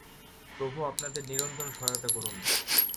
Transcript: প্রভু আপনাদের নিরন্তর সহায়তা করুন।